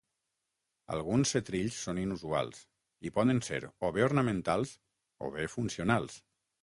Alguns setrills són inusuals, i poden ser o bé ornamentals o bé funcionals.